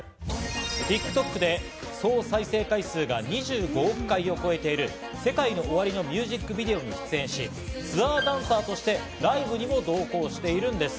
ＴｉｋＴｏｋで総再生回数が２５億回を超えている、ＳＥＫＡＩＮＯＯＷＡＲＩのミュージックビデオに出演し、ツアーダンサーとしてライブにも同行しているんです。